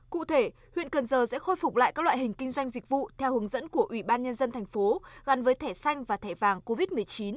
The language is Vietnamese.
cụ thể huyện cần giờ sẽ khôi phục lại các loại hình kinh doanh dịch vụ theo hướng dẫn của ủy ban nhân dân thành phố gắn với thẻ xanh và thẻ vàng covid một mươi chín